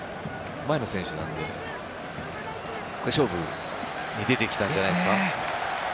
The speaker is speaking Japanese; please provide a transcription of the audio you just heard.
前の選手なので勝負に出てきたんじゃないですか。